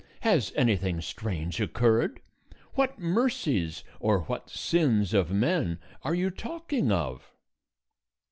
Has anything strange occurred? What mercies or what sins of men are you talking of?"